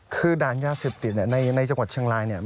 คือด่านยาเสพติดในจังหวัดเชียงราย